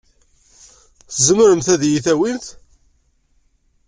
Tzemremt ad iyi-tawimt?